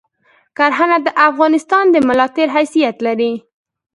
کرهنه د افغانستان د ملاتیر حیثیت لری